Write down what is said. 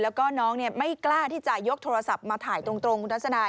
แล้วก็น้องไม่กล้าที่จะยกโทรศัพท์มาถ่ายตรงคุณทัศนาย